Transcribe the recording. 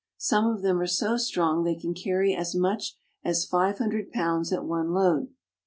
Some of them are so strong they can carry as much as five hundred pounds at one load.